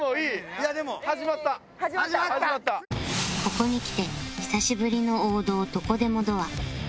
ここにきて久しぶりの王道どこでもドア